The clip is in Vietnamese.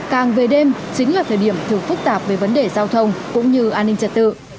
càng về đêm chính là thời điểm thường phức tạp về vấn đề giao thông cũng như an ninh trật tự